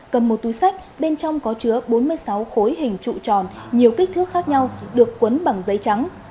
cầm một túi sách bên trong có chứa bốn mươi sáu khối hình trụ tròn nhiều kích thước khác nhau được quấn bằng giấy trắng